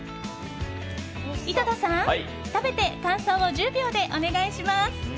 井戸田さん、食べて感想を１０秒でお願いします。